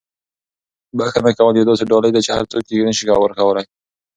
بښنه کول یوه داسې ډالۍ ده چې هر څوک یې نه شي ورکولی.